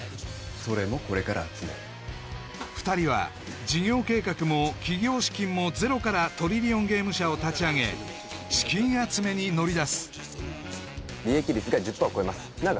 それもこれから集める２人は事業計画も起業資金もゼロからトリリオンゲーム社を立ち上げ資金集めに乗り出す利益率が１０％を超えますなあ